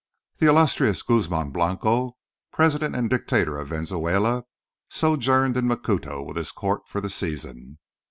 The illustrious Guzman Blanco, President and Dictator of Venezuela, sojourned in Macuto with his court for the season.